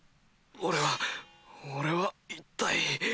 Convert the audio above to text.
俺は俺は一体。